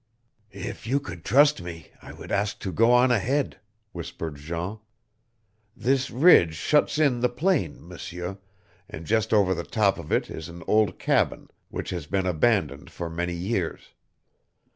"If you could trust me I would ask to go on ahead," whispered Jean. "This ridge shuts in the plain, M'seur, and just over the top of it is an old cabin which has been abandoned for many years.